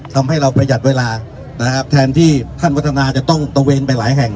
ทำให้เราประหยัดเวลานะครับแทนที่ท่านวัฒนาจะต้องตะเวนไปหลายแห่ง